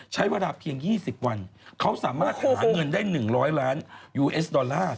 ใช้เวลาเพียง๒๐วันเขาสามารถหาเงินได้๑๐๐ล้านยูเอสดอลลาร์